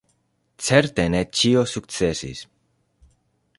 Certe ne ĉio sukcesis.